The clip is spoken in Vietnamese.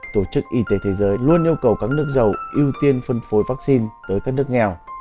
tổ chức y tế thế giới luôn yêu cầu các nước giàu ưu tiên phân phối vaccine tới các nước nghèo